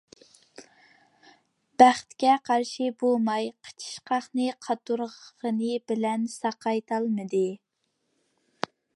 بەختكە قارشى بۇ ماي قىچىشقاقنى قاتۇرغىنى بىلەن ساقايتالمىدى.